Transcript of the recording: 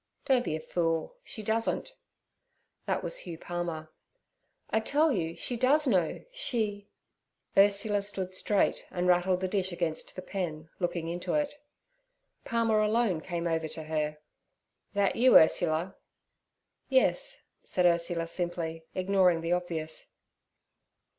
'Don't be a fool; she doesn't.' That was Hugh Palmer. 'I tell you she does know. She—' Ursula stood straight, and rattled the dish against the pen, looking into it. Palmer alone came over to her. 'That you, Ursula?' 'Yes' said Ursula simply, ignoring the obvious.